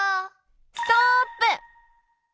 ストップ！